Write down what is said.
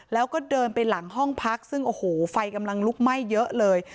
แล้วก็เดินไปหลังห้องพักซึ่งโอ้โหไฟกำลังลุกไหม้เยอะเลย